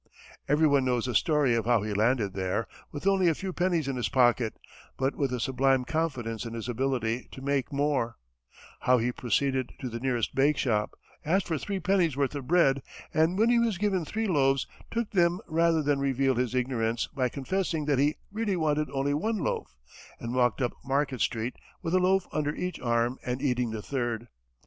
Everyone knows the story of how he landed there, with only a few pennies in his pocket, but with a sublime confidence in his ability to make more; how he proceeded to the nearest bakeshop, asked for three pennies' worth of bread, and when he was given three loaves, took them rather than reveal his ignorance by confessing that he really wanted only one loaf, and walked up Market street, with a loaf under each arm, and eating the third.